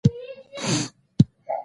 چا چې له ماشومتوبه ته ورته ډېر ګران وې.